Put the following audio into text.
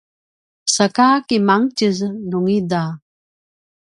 saka kimangtjez nungida?